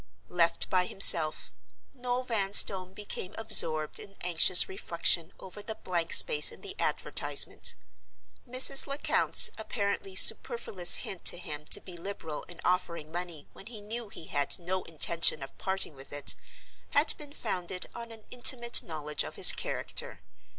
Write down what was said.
Left by himself, Noel Vanstone became absorbed in anxious reflection over the blank space in the advertisement. Mrs. Lecount's apparently superfluous hint to him to be liberal in offering money when he knew he had no intention of parting with it, had been founded on an intimate knowledge of his character.